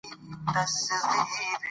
اداري حقوق د عامه خدمت بنسټ دی.